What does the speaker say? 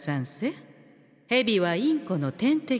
ヘビはインコの天敵。